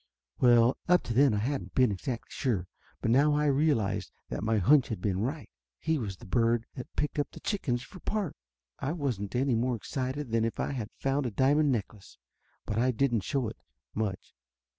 Well, up to then I hadn't been exactly sure, but now I realized that my hunch had been right. He was the bird that picked the chickens for parts! I wasn't any more excited than if I had found a diamond necklace. But I didn't show it much.